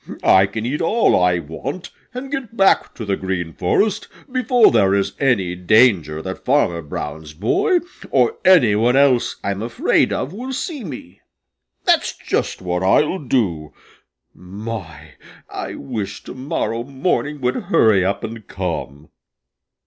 I can eat all I want and get back to the Green Forest before there is any danger that Farmer Brown's boy or any one else I'm afraid of will see me. That's just what I'll do. My, I wish to morrow morning would hurry up and come."